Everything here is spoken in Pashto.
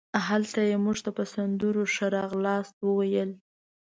هلته یې مونږ ته په سندرو ښه راغلاست وویل.